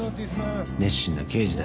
熱心な刑事だ。